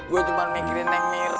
gue cuma mikirin neng mir